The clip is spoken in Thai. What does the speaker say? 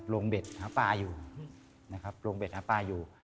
ลงเบ็ดหาปลาอยู่ลงเบ็ดหาปลาอยู่